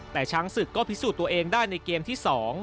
แต่ช้างศึกก็พิสูจน์ตัวเองได้ในเกมที่๒